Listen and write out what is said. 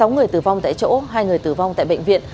sáu người tử vong tại chỗ hai người tử vong tại bệnh viện